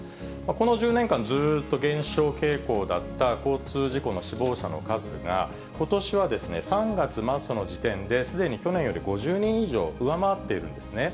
この１０年間、ずっと減少傾向だった交通事故の死亡者の数が、ことしはですね、３月末の時点ですでに去年より５０人以上上回っているんですね。